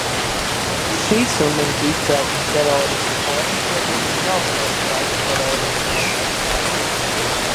Šī sunnītu izcelsmes terorisma forma šodien ir galvenais drauds terorisma kontekstā.